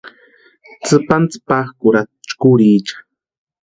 Tsïpantsïpakʼurhatʼi chkurhicha.